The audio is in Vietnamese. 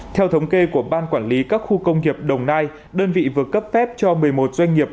theo thống kê của ban quản lý các khu công nghiệp đồng nai đơn vị vừa cấp phép cho một mươi một doanh nghiệp